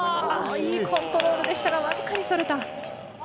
いいコントールでしたがわずかにそれた。